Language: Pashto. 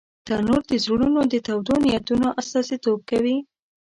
تنور د زړونو د تودو نیتونو استازیتوب کوي